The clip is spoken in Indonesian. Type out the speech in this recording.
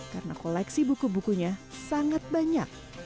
karena koleksi buku bukunya sangat banyak